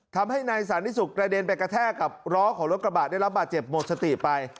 ทำให้นายสานิสุกกระเด็นไปกระแทกกับล้อของรถกระบะได้รับบาดเจ็บหมดสติไป